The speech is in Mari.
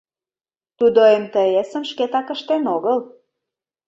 Тудо МТС-ым шкетак ыштен огыл.